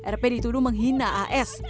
rp dituduh menghina as